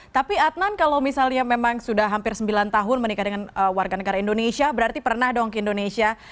tapi adnan kalau misalnya memang sudah hampir sembilan tahun menikah dengan warga negara indonesia berarti pernah dong ke indonesia